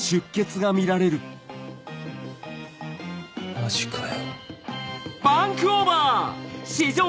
マジかよ。